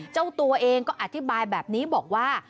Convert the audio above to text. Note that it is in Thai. เจ้าตัวเองก็อธิบายแบบนี้บอกว่า